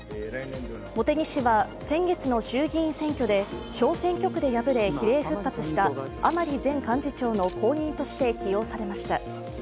茂木氏は先月の衆議院選挙で小選挙区で敗れ比例復活した甘利前幹事長の後任として起用されました。